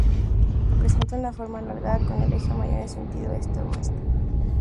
Presenta una forma alargada con el eje mayor en sentido este-oeste.